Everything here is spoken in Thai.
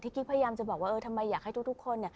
กี้พยายามจะบอกว่าทำไมอยากให้ทุกคน